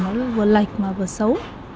nó vừa lạch mà vừa xấu